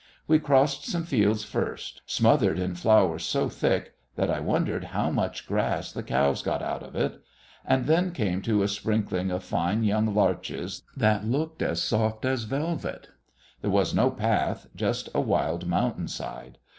We crossed some fields first smothered in flowers so thick that I wondered how much grass the cows got out of it! and then came to a sprinkling of fine young larches that looked as soft as velvet. There was no path, just a wild mountain side.